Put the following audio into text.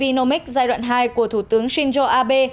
chính sách apnop giai đoạn hai của thủ tướng shinzo abe